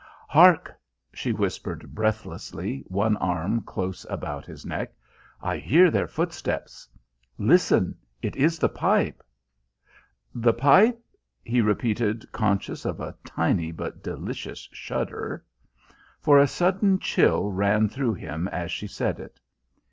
"Hark!" she whispered breathlessly, one arm close about his neck. "I hear their footsteps. Listen! It is the pipe!" "The pipe !" he repeated, conscious of a tiny but delicious shudder. For a sudden chill ran through him as she said it.